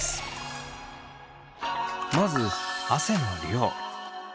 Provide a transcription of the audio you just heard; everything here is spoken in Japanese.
まず汗の量。